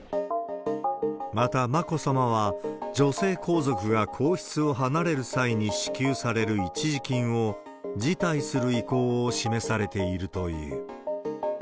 また、眞子さまは女性皇族が皇室を離れる際に支給される一時金を、辞退する意向を示されているという。